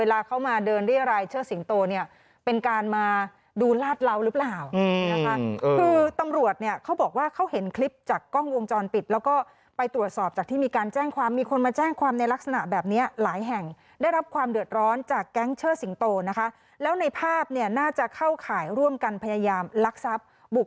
อันนี้ผมจะเห็นเดินกันเล่นร้อนทั่วไปเลยครับ